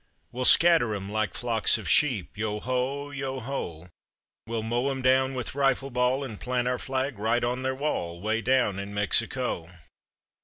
We'll scatter 'em like flocks of sheep, Yeo ho, yeo ho! We'll mow 'em down with rifle ball And plant our flag right on their wall, Way down in Mexico.